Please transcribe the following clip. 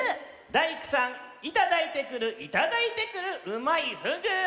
「大工さん板抱いてくるいただいてくるうまいふぐ」！